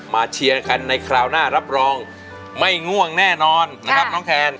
เชียร์กันในคราวหน้ารับรองไม่ง่วงแน่นอนนะครับน้องแคน